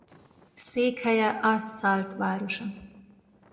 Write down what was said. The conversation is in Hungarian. Székhelye asz-Szalt városa.